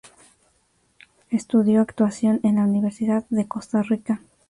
Estudió actuación en la Universidad de Costa Rica.